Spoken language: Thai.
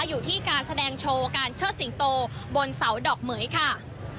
อยู่ที่การแสดงโชว์การเชิดสิงโตบนเสาดอกเหมือยค่ะ